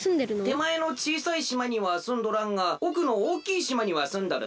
てまえのちいさいしまにはすんどらんがおくのおおきいしまにはすんどるど。